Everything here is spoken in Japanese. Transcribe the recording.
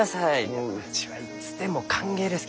もううちはいつでも歓迎ですき。